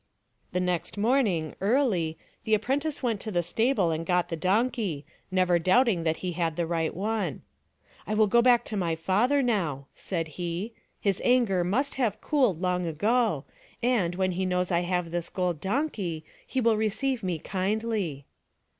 The next morning, early, the apprentice went to the stable and got the donkey, never doubting that he had the right one. " I will go back to my father, now," said he. " His anger must have cooled long ago, and when he knows I have this gold donkey he will receive me kindly."